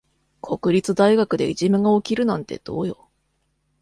国立大学でいじめが起きるなんてどうよ。